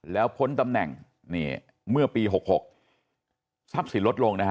แล้วพ้นตำแหน่งเมื่อปี๖๖ทรัพย์สินลดลงนะฮะ